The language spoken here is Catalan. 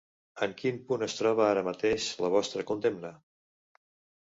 En quin punt es troba ara mateix la vostra condemna?